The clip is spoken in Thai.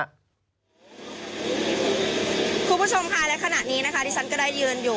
คุณผู้ชมค่ะและขณะนี้นะคะที่ฉันก็ได้ยืนอยู่